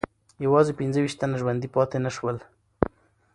یوازې پنځه ویشت تنه ژوندي پاتې نه سول.